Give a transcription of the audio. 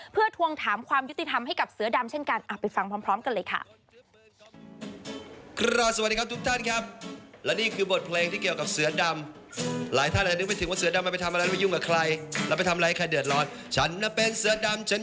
เพื่อทวงถามความยุติธรรมให้กับเสือดำเช่นกัน